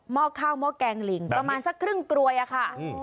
อกข้าวหม้อแกงลิงประมาณสักครึ่งกลวยอะค่ะ